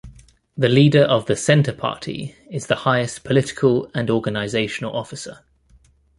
The Leader of the Centre Party is the highest political and organizational officer.